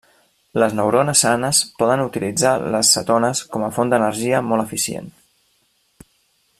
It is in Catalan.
Les neurones sanes poden utilitzar les cetones com a font d'energia molt eficient.